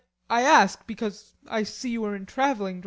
I ask, because I see you are in travelling dress.